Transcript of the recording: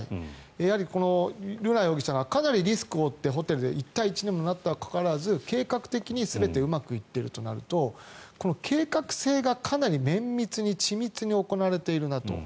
やはり、瑠奈容疑者がかなりリスクを負ってホテルで１対１になったにもかかわらず計画的に全てうまくいっているとなると計画性がかなり綿密に緻密に行われているなと。